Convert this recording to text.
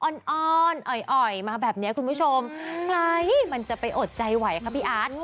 อ้อนอ่อยมาแบบนี้คุณผู้ชมใครมันจะไปอดใจไหวค่ะพี่อาร์ด